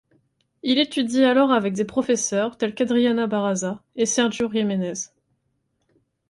Il étudie alors avec des professeurs tels qu'Adriana Barraza et Sergio Jimenez.